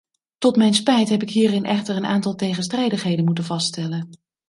Tot mijn spijt heb ik hierin echter een aantal tegenstrijdigheden moeten vaststellen.